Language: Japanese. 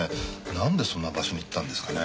なんでそんな場所に行ったんですかね？